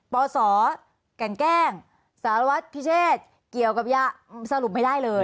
ปศกันแกล้งสารวัตรพิเชษเกี่ยวกับยาสรุปไม่ได้เลย